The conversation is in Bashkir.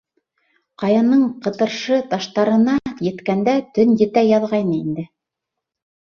Ҡаяның ҡытыршы таштарына еткәндә, төн етә яҙғайны инде.